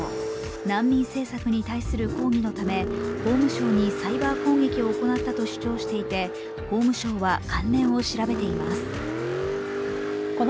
難民政策に対する抗議のため法務省にサイバー攻撃を行ったと主張していて、法務省は関連を調べています。